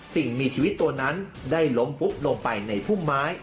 สิ่งมีชีวิตตัวนั้นได้ล้มปุ๊บลงไปในพุ่มไม้